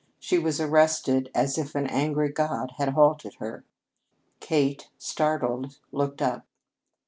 She was arrested as if an angry god had halted her. Kate, startled, looked up.